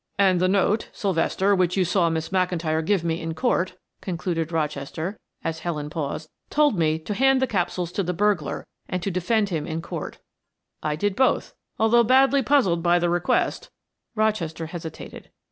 "And the note, Sylvester, which you saw Miss McIntyre give me in court," concluded Rochester, as Helen paused, "told me to hand the capsules to the burglar and to defend him in court. I did both, although badly puzzled by the request." Rochester hesitated.